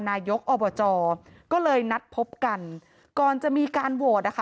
นายกอบจก็เลยนัดพบกันก่อนจะมีการโหวตนะคะ